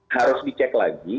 harus dicek lagi